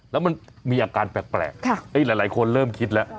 แล้วมันมีอาการแปลกหลายคนเริ่มคิดแล้ว